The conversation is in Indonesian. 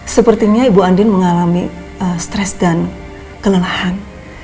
sepertinya ibu andin mengalami stres dan kelelahan